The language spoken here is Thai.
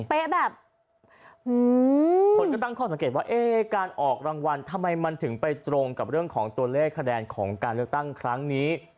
แบบคนก็ตั้งข้อสังเกตว่าการออกรางวัลทำไมมันถึงไปตรงกับเรื่องของตัวเลขคะแนนของการเลือกตั้งครั้งนี้